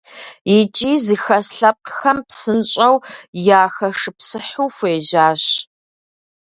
ИкӀи зыхэс лъэпкъхэм псынщӏэу яхэшыпсыхьу хуежьащ.